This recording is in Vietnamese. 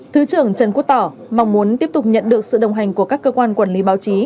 thứ trưởng trần quốc tỏ mong muốn tiếp tục nhận được sự đồng hành của các cơ quan quản lý báo chí